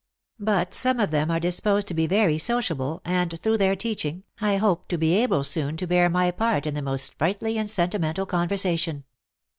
But some of them are disposed to be very sociable, and, through their teaching, I hope to be able soon to bear my part in the most sprightly and sentimental conversation.